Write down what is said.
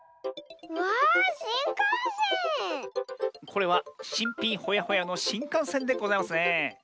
これはしんぴんホヤホヤのしんかんせんでございますねえ。